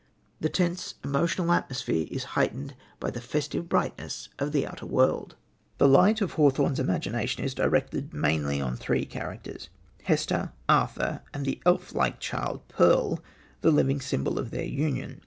The tense, emotional atmosphere is heightened by the festive brightness of the outer world. The light of Hawthorne's imagination is directed mainly on three characters Hester, Arthur, and the elf like child Pearl, the living symbol of their union.